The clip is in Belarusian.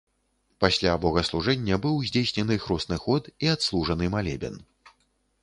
Пасля богаслужэння быў здзейснены хросны ход і адслужаны малебен.